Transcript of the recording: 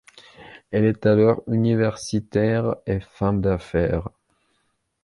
Elle est alors universitaire et femme d'affaires.